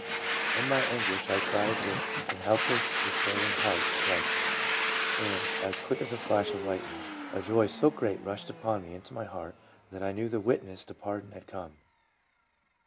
"In my anguish I cried with an helpless despairing heart to Christ, and as quick as a flash of lightning, a joy so great rushed upon me into my heart that I knew the witness to pardon had come.